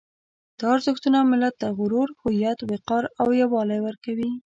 دا ارزښتونه ملت ته غرور، هویت، وقار او یووالی ورکوي.